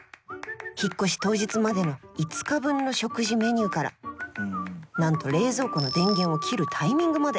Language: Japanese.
引っ越し当日までの５日分の食事メニューからなんと冷蔵庫の電源を切るタイミングまで！